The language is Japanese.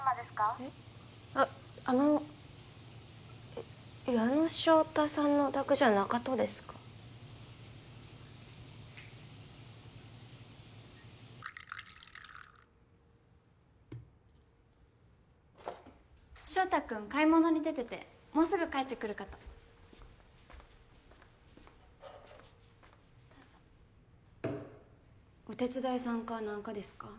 えっあっあの矢野翔太さんのお宅じゃなかとですか翔太くん買い物に出ててもうすぐ帰ってくるかとどうぞお手伝いさんか何かですか？